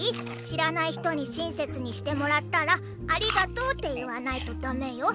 しらない人にしんせつにしてもらったら「ありがとう」って言わないとだめよ。